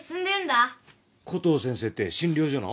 コトー先生って診療所の？